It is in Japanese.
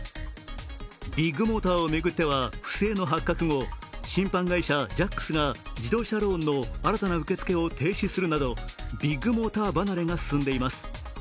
ビッグモーターを巡っては不正の発覚後、信販会社大手のジャックスが自動車ローンの新たな受け付けを停止するなどビッグモーター離れが進んでいます。